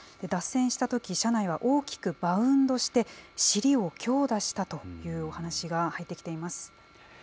脱線したとき、車内は大きくバウンドして、尻を強打したというお話が入ってきています。